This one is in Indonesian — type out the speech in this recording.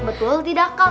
betul tidak kak